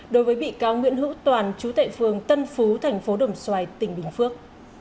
đối với bị cao nguyễn hữu toàn chú tệ phương tân phú thành phố đồng xoài tỉnh bình phước